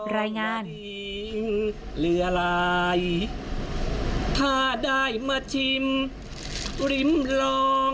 รายงาน